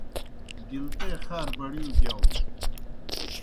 گِلتے خار بڑِیؤ گِیاؤن۔